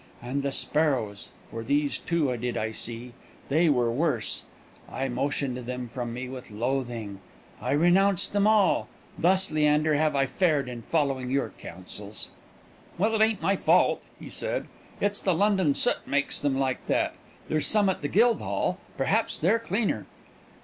And the sparrows (for these, too, did I see), they were worse. I motioned them from me with loathing. I renounced them all. Thus, Leander, have I fared in following your counsels!" "Well, it ain't my fault," he said; "it's the London soot makes them like that. There's some at the Guildhall: perhaps they're cleaner."